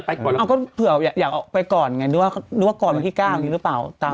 อ้าวก็เผื่ออยากไปก่อนไงหรือว่าก่อนวันที่๙นี่หรือเปล่า